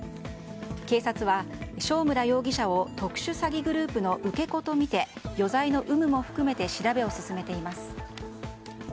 警察は、正村容疑者を特殊詐欺グループの受け子とみて余罪の有無も含めて調べを進めています。